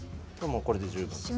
これで十分です。